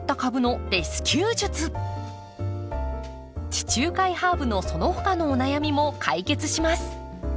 地中海ハーブのその他のお悩みも解決します。